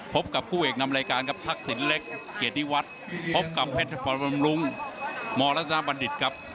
พบกับคู่เอกนำรายการครับทักษิณเล็กเกียรติวัฒน์พบกับเพชรพรบำรุงมรัตนบัณฑิตครับ